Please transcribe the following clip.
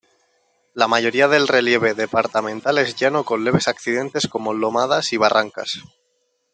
La mayoría del relieve departamental es llano con leves accidentes como lomadas y barrancas.